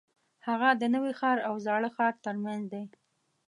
هغه د نوي ښار او زاړه ښار ترمنځ دی.